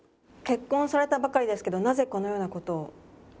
結婚されたばかりですけどなぜこのような事を？